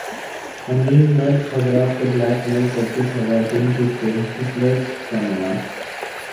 امیر مرد حضرات کو بلیک میل کرتی خواتین کی فلم ہسلرز کامیاب